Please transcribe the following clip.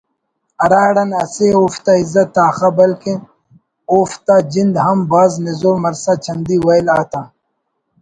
ہراڑان اسہ اوفتا عزت آخا بلکن اوفتا جند ہم بھاز نزور مرسا چندی ویل آتا